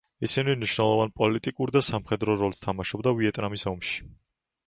ის მნიშვნელოვან პოლიტიკურ და სამხედრო როლს თამაშობდა ვიეტნამის ომში.